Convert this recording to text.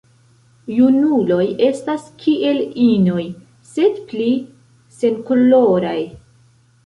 Junuloj estas kiel inoj, sed pli senkoloraj.